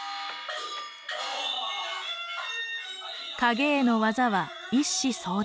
影絵の技は一子相伝。